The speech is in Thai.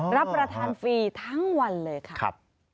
รับประทานฟรีทั้งวันเลยค่ะ